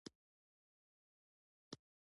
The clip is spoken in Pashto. وسله د بلا دروازه ده